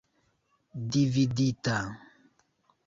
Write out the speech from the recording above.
dividita